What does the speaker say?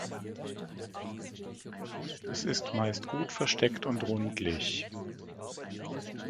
Es ist meist gut versteckt und rundlich.